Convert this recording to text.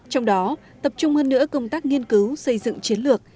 trong đó tập trung hơn nữa công tác nghiên cứu xây dựng chiến lược